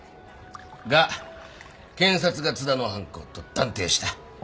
が検察が津田の犯行と断定した。